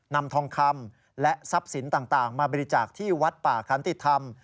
นำทองคำและทรัพย์สินต่างมาบริจาคที่วัดป่าคันติธรรม